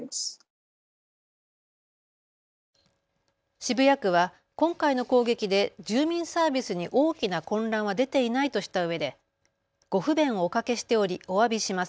渋谷区は今回の攻撃で住民サービスに大きな混乱は出ていないとしたうえでご不便をおかけしておりおわびします。